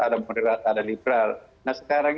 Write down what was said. ada moderat ada liberal nah sekarang